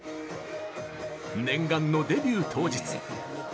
念願のデビュー当日。